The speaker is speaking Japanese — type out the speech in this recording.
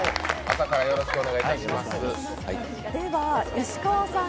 石川さん